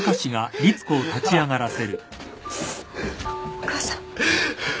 お母さん。